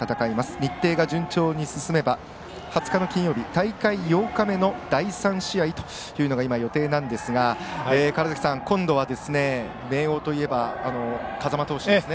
日程が順調に進めば２０日の金曜日大会８日目の第３試合というのが今、予定なんですが川原崎さん、今度は明桜といえば風間投手ですね。